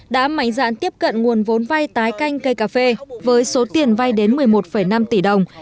đã mảnh dạn tiếp cận nguồn vốn vay tái canh cây cà phê với số tiền vay đến một mươi một năm tỷ đồng